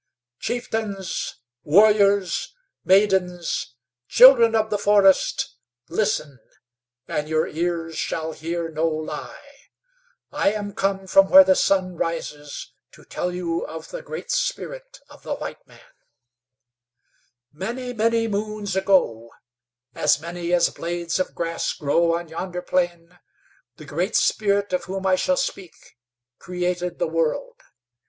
"Chieftains, warriors, maidens, children of the forest, listen, and your ears shall hear no lie. I am come from where the sun rises to tell you of the Great Spirit of the white man. "Many, many moons ago, as many as blades of grass grow on yonder plain, the Great Spirit of whom I shall speak created the world.